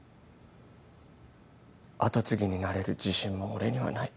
跡継ぎになれる自信も俺にはない。